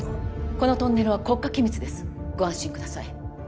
このトンネルは国家機密ですご安心ください